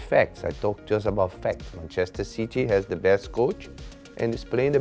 มันมีแฟคท์บันเวร์ที่สูงกุฏิชาและเขาจะเล่นวุฒินสูงขวัญ